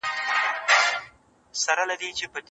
په ویالو کي یې د وینو سېل بهیږي